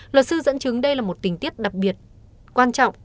luật sư dẫn chứng đây là một tình tiết đặc biệt quan trọng